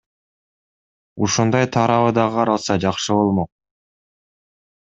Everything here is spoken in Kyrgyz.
Ушундай тарабы да каралса, жакшы болмок.